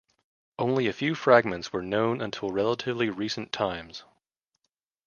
Only a few fragments were known until relatively recent times.